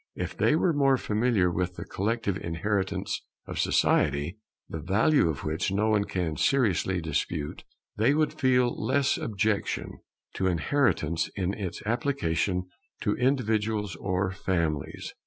If they were more familiar with the collective inheritance of society, the value of which no one can seriously dispute, they would feel less objection to inheritance in its application to individuals or families.